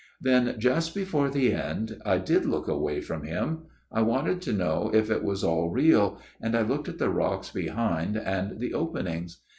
"* Then just before the end, I did look away from him. I wanted to know if it was all real, and I looked at the rocks behind and the open ings.